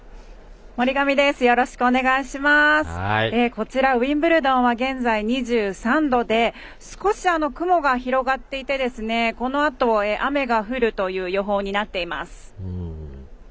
こちらウィンブルドンは現在２３度で少し雲が広がっていてこのあと雨が降るという予報になっています。